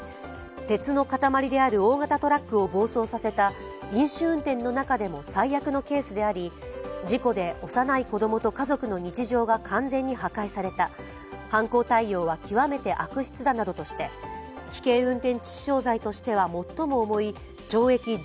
鉄の塊である大型トラックを暴走させた、飲酒運転の中でも最悪のケースであり事故で幼い子供と家族の日常が完全に破壊された、犯行態様は極めて悪質だなどとして危険運転致死傷罪としては最も重い懲役